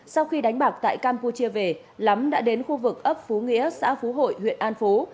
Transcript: sau khi đánh bạc tại campuchia về lắm đã đến khu vực ấp phú nghĩa xã phú hội huyện an phú